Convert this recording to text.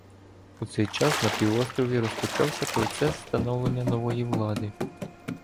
У цей час на півострові розпочався процес становлення нової влади.